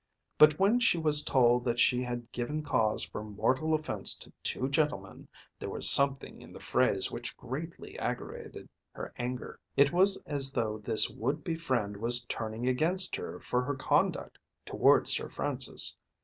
But when she was told that she had given cause for mortal offence to two gentlemen, there was something in the phrase which greatly aggravated her anger. It was as though this would be friend was turning against her for her conduct towards Sir Francis.